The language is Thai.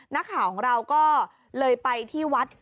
นักข่าวของเราก็เลยไปที่วัด